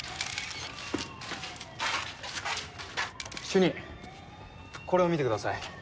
主任これを見てください。